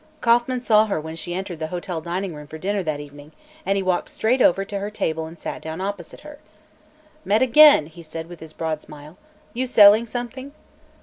Kauffman saw her when she entered the hotel dining room for dinner that evening, and he walked straight over to her table and sat down opposite her. "Met again!" he said with his broad smile. "You selling something?"